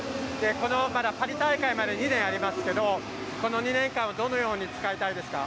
パリ大会まで２年ありますけどこの２年間をどのように使いたいですか？